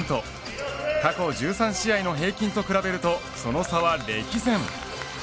過去１３試合の平均と比べるとその差は歴然。